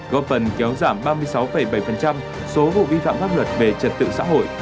góp phần kéo giảm ba mươi sáu bảy số vụ vi phạm pháp luật về trật tự xã hội